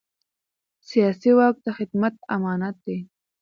سیاسي واک د خدمت امانت دی